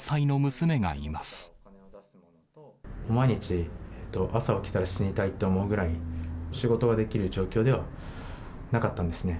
毎日、朝起きたら死にたいと思うぐらい、仕事ができる状況ではなかったんですね。